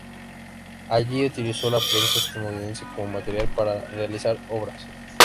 Allí utilizó la prensa estadounidense como materiales para realizar obras.